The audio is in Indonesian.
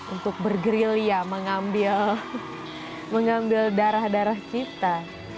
untuk bergerilya mengambil darah darah kita